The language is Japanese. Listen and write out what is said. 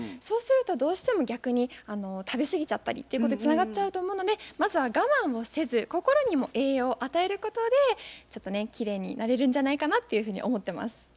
そうするとどうしても逆に食べすぎちゃったりっていうことにつながっちゃうと思うのでまずは我慢をせず心にも栄養を与えることでちょっときれいになれるんじゃないかなっていうふうに思ってます。